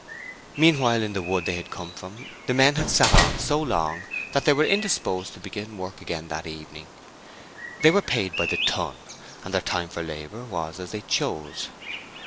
Meanwhile, in the wood they had come from, the men had sat on so long that they were indisposed to begin work again that evening; they were paid by the ton, and their time for labor was as they chose.